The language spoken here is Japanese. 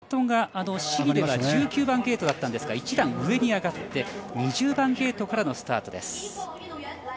そしてゲートが試技では１９番ゲートだったんですが１段上に上がって２０番ゲートからのスタートです。